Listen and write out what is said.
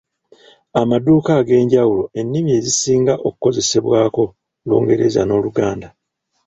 Amaduuka ag’enjawulo ennimi ezisinga okukozesebwako Lungereza n’Oluganda.